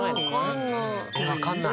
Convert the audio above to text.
わかんない。